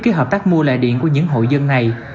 cái hợp tác mua lại điện của những hội dân này